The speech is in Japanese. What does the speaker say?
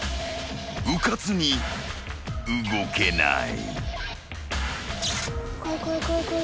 うかつに動けない］